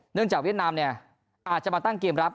จากเวียดนามเนี่ยอาจจะมาตั้งเกมรับ